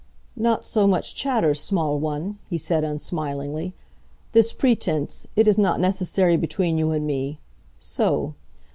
"Not so much chatter, small one," he said, unsmilingly. "This pretense, it is not necessary between you and me. So.